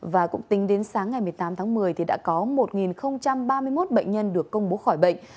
và cũng tính đến sáng ngày một mươi tám tháng một mươi thì đã có một ba mươi một bệnh nhân được công bố khỏi bệnh